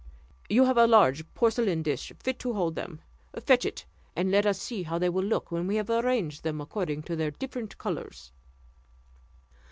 You have a large porcelain dish fit to hold them; fetch it, and let us see how they will look, when we have arranged them according to their different colours."